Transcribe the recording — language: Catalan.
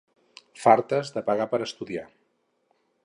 Fartes de pagar per estudiar.